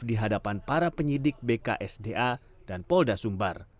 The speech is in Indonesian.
di hadapan para penyidik bksda dan polda sumbar